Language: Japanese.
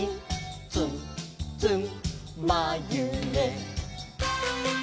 「つんつんまゆげ」